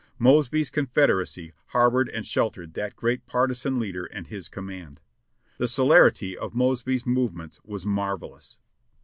"Mosby's Confederacy" harbored and sheltered that great partisan leader and his command. The celerity of Mosby's movements was marvelous.